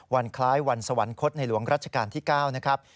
วันคล้ายวันสวรรคตในหลวงรัชกาลที่๙นะครับ